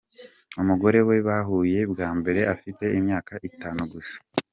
Umugore we bahuye bwa mbere afite imyaka itanu gusa.